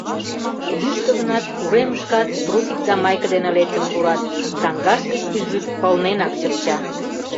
Йӱштӧ гынат, уремышкат трусик да майке дене лектын пурат, саҥгашт гыч пӱжвӱд пылненак чыпча.